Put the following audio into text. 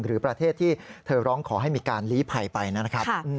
หรือประเทศที่เธอร้องขอให้มีการลีภัยไปนะครับ